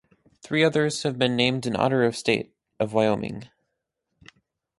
Three others have been named in honor of state of Wyoming.